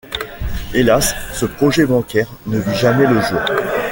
Hélas ce projet bancaire ne vit jamais le jour.